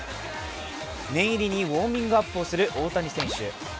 念入りにフォーミングアップをする大谷選手。